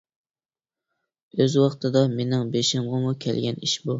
ئۆز ۋاقتىدا مېنىڭ بېشىمغىمۇ كەلگەن ئىش بۇ.